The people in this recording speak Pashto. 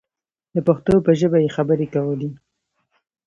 د پښتو په ژبه یې خبرې کولې.